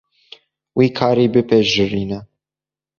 Vî karî bipejirîne.